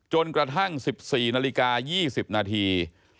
จนกระทั่ง๑๔นาฬิกา๒๐นาที